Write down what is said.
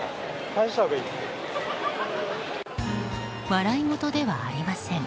笑い事ではありません。